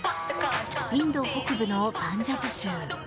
インド北部のパンジャブ州。